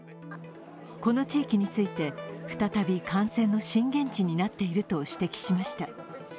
この地域について、再び感染の震源地になっていると指摘しました。